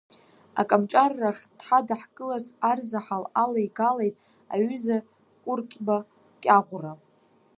Акомҿаррахь дҳадаҳкыларц арзаҳал алеигалеит аҩыза Кәыркьба Кьаӷәра.